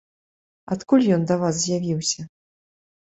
Адкуль ён да вас з'явіўся?